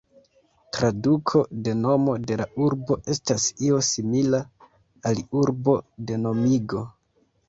Traduko de nomo de la urbo estas io simila al "urbo de nomigo".